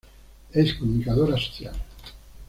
Es comunicadora social.